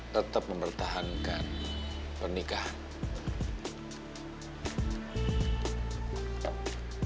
tetap mempertahankan pernikahan